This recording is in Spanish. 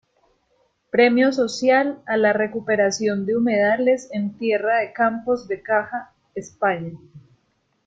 Premio Social a la Recuperación de humedales en Tierra de Campos de Caja España.